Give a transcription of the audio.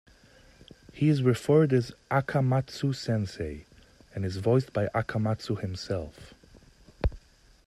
He is referred as Akamatsu Sensei, and is voiced by Akamatsu himself.